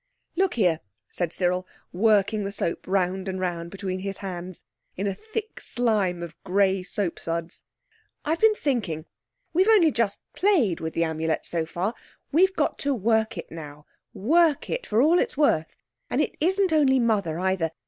"Look here," said Cyril, working the soap round and round between his hands in a thick slime of grey soapsuds. "I've been thinking. We've only just played with the Amulet so far. We've got to work it now—work it for all it's worth. And it isn't only Mother either.